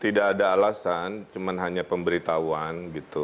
tidak ada alasan cuma hanya pemberitahuan gitu